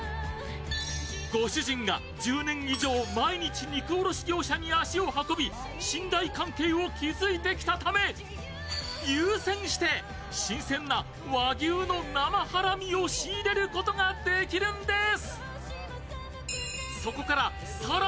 ご主人が１０年以上、毎日肉卸業者に足を運び信頼関係を築いてきたため優先して新鮮な和牛の生ハラミを仕入れることができるんです。